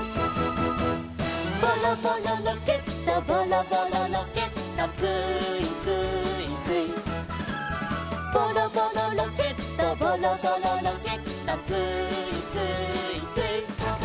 「ボロボロロケットボロボロロケット」「スーイスーイスイ」「ボロボロロケットボロボロロケット」「スーイスーイスイ」